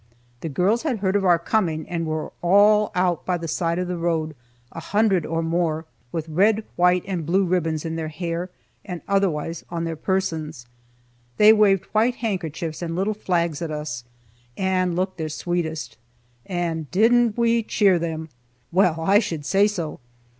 The girls had heard of our coming, and were all out by the side of the road, a hundred or more, with red, white and blue ribbons in their hair and otherwise on their persons. They waved white handkerchiefs and little flags at us, and looked their sweetest. And didn't we cheer them! Well, I should say so.